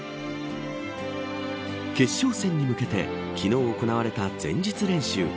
決勝戦に向けて昨日行われた前日練習。